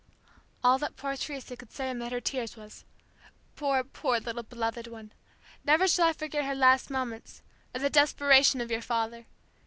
All that poor Teresa could say amid her tears was, "Poor, poor little beloved one! Never shall I forget her last moments or the desperation of your father.